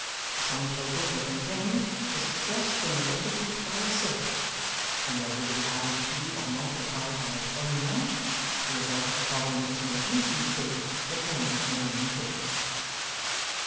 The sum total they contain is expressed in arithmetic by a circle, and whether it be added to or multiplied by its own amount, the result of the problem is more easily stated than any known in figures.